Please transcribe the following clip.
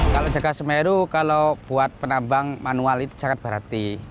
kalau jaga semeru kalau buat penambang manual itu sangat berarti